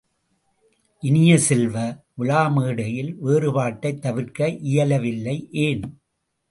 இனிய செல்வ, விழா மேடையில் வேறுபாட்டைத் தவிர்க்க இயலவில்லை, ஏன்?